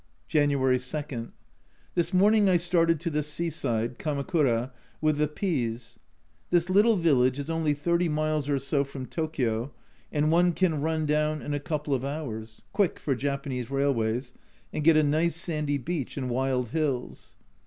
January 2. This morning I started to the seaside, Kamakura, with the P s. This little village is only thirty miles or so from Tokio, and one can run down in a couple of hours (quick for Japanese railways), and get a nice sandy beach and wild hills.